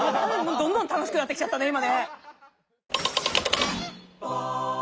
どんどん楽しくなってきちゃったね今ね。